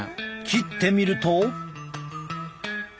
切ってみると。